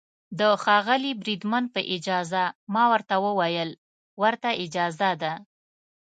د ښاغلي بریدمن په اجازه، ما ورته وویل: ورته اجازه ده.